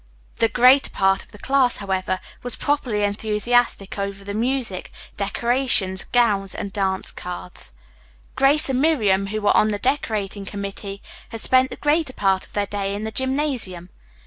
The greater part of the class, however, was properly enthusiastic over the music, decorations, gowns and dance cards. Grace and Miriam, who were on the decorating committee, had spent the greater part of their day in the gymnasium.